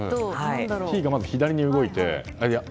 Ｐがまず左に動いて。